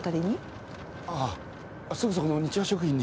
ああすぐそこのニチワ食品に。